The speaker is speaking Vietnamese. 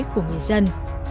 của người dân